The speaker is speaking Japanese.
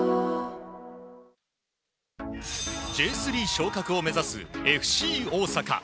Ｊ３昇格を目指すＦＣ大阪。